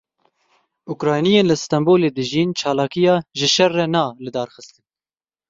Ukrayniyên li Stenbolê dijîn, çalakiya ji şer re na li darxistin.